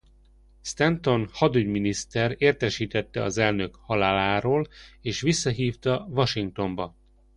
Stanton hadügyminiszter értesítette az elnök haláláról és visszahívta Washingtonba.